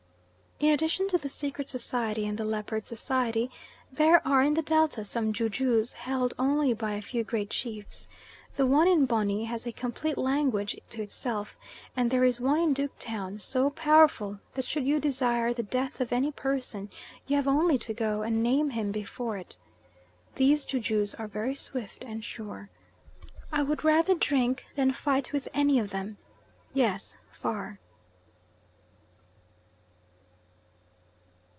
In addition to the secret society and the leopard society, there are in the Delta some ju jus held only by a few great chiefs. The one in Bonny has a complete language to itself, and there is one in Duke Town so powerful that should you desire the death of any person you have only to go and name him before it. "These jujus are very swift and sure." I would rather drink than fight with any of them yes, far.